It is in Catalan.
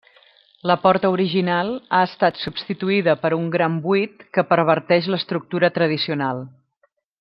La porta original ha estat substituïda per un gran buit que perverteix l'estructura tradicional.